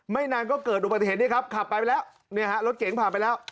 ไม่นานก็เกิดตัวประเทศนี้ครับขับไปแล้วรถเก๋งผ่านไปแล้ว